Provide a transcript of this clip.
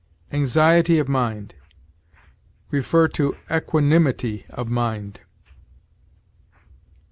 ANXIETY OF MIND. See EQUANIMITY OF MIND.